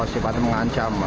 oh si batu mengancam